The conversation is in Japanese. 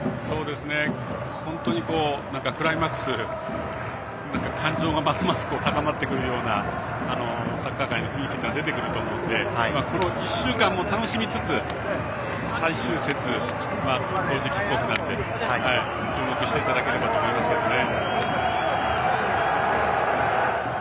本当にクライマックス感情がますます高まってくるようなサッカー界の雰囲気も出てくると思うのでこの１週間も楽しみつつ、最終節同時キックオフなんで注目していただければと思いますけどね。